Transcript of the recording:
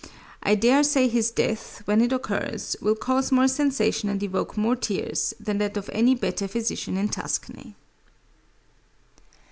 I dare say his death, when it occurs, will cause more sensation and evoke more tears, than that of any better physician in Tuscany.